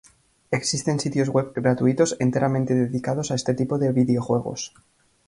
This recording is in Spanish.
Existen sitios web gratuitos enteramente dedicados a este tipo de videojuegos.